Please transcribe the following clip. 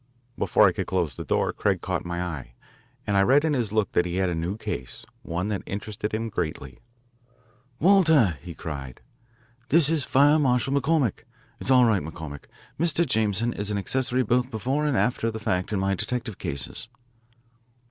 Before I could close the door, Craig caught my eye, and I read in his look that he had a new case one that interested him greatly. "Walter," he cried, "this is Fire Marshal McCormick. It's all right, McCormick. Mr. Jameson is an accessory both before and after the fact in my detective cases."